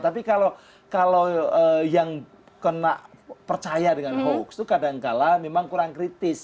tapi kalau yang kena percaya dengan hoax itu kadangkala memang kurang kritis